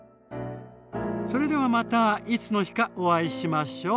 それではまたいつの日かお会いしましょう。